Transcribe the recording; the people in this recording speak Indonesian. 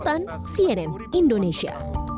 dan terserah mengucapkan kasih